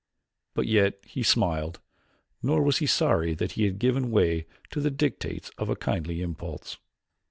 But yet he smiled, nor was he sorry that he had given way to the dictates of a kindly impulse.